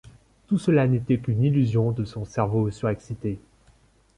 Tout cela n’était qu’une illusion de son cerveau surexcité.